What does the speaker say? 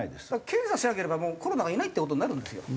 検査しなければコロナがいないっていう事になるんですよ。